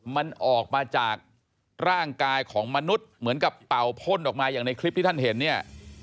มันออกมาจากร่างกายของมนุษย์เหมือนกับเป่าพ่นออกมาอย่างในคลิปที่ท่านเห็นเนี่ย